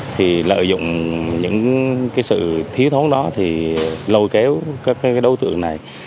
thì lợi dụng những sự thiếu thốn đó lôi kéo các đối tượng này